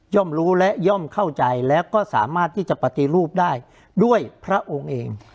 รู้และย่อมเข้าใจแล้วก็สามารถที่จะปฏิรูปได้ด้วยพระองค์เอง